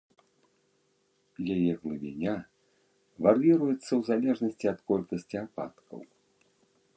Яе глыбіня вар'іруецца ў залежнасці ад колькасці ападкаў.